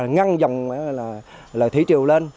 ngăn dòng là thủy triều lên